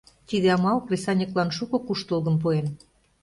Тиде амал кресаньыклан шуко куштылгым пуэн.